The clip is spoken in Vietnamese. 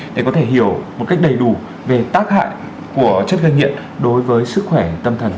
để có thể hiểu một cách đầy đủ về tác hại của chất gây nghiện đối với sức khỏe tâm thần